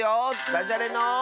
「だじゃれの」。